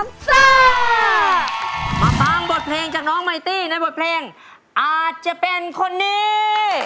ฟังบทเพลงจากน้องไมตี้ในบทเพลงอาจจะเป็นคนนี้